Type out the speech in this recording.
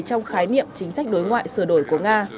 trong khái niệm chính sách đối ngoại sửa đổi của nga